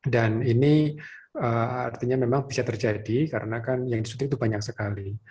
dan ini artinya memang bisa terjadi karena kan yang disuntik itu banyak sekali